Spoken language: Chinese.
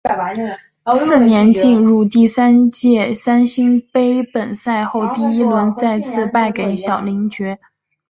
次年进入第三届三星杯本赛后第一轮再次败给小林觉。